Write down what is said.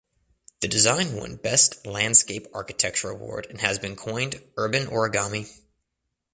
The design won Best Landscape Architecture Award and has been coined "urban origami".